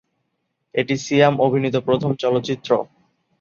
এটি সিয়াম অভিনীত প্রথম চলচ্চিত্র।